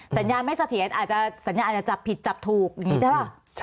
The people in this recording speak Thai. สัญญาไม่เสถียรอาจจะสัญญาอาจจะจับผิดจับถูกอย่างนี้ใช่ป่ะ